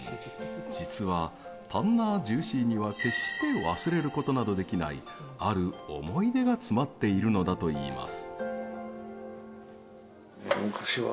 実は、タンナージューシーには決して忘れることなど出来ないある思い出が詰まっているのだと言います。